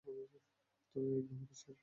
তো এই ঘাম কিসের?